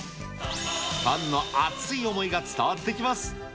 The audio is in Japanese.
ファンの熱い思いが伝わってきます。